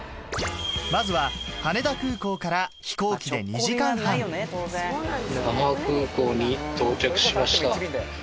まずは羽田空港から飛行機で２時間半那覇空港に到着しました。